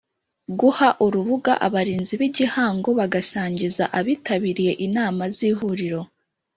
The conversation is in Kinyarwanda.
Guha urubuga abarinzi b igihango bagasangiza abitabiriye inama z ihuriro